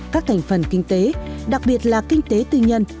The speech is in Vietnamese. các thành phần kinh tế đặc biệt là kinh tế tư nhân